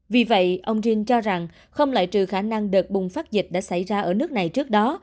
vì vậy ông jin cho rằng không lại trừ khả năng đợt bùng phát dịch đã xảy ra ở nước này trước đó